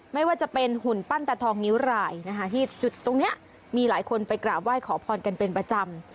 ไม่ว่าจะเป็นหุ่นปั้นตาทองนิ้วรายนะคะที่จุดตรงนี้มีหลายคนไปกราบไหว้ขอพรกันเป็นประจำ